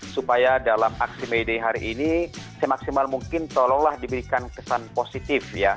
supaya dalam aksi media hari ini semaksimal mungkin tolonglah diberikan kesan positif ya